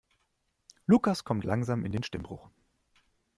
Lukas kommt langsam in den Stimmbruch.